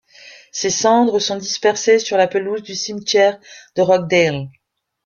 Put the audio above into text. Ses cendres sont dispersées sur la pelouse du cimetière de Rochdale.